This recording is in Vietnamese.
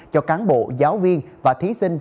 cho cán bộ giáo viên và thí sinh